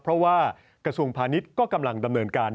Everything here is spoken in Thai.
เพราะว่ากระทรวงพาณิชย์ก็กำลังดำเนินการ